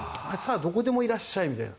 どこでもいらっしゃいみたいな。